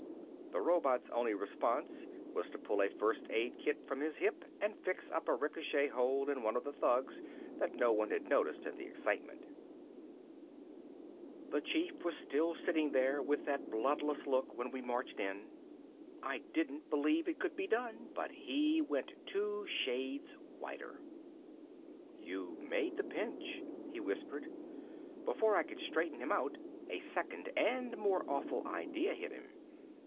The robot's only response was to pull a first aid kit from his hip and fix up a ricochet hole in one of the thugs that no one had noticed in the excitement. The Chief was still sitting there with that bloodless look when we marched in. I didn't believe it could be done, but he went two shades whiter. "You made the pinch," he whispered. Before I could straighten him out a second and more awful idea hit him.